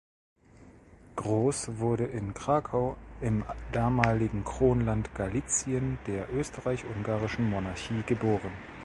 Gross wurde in Krakau, im damaligen Kronland Galizien der österreich-ungarischen Monarchie geboren.